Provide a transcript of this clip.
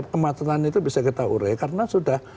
kemacetan itu bisa kita urai karena sudah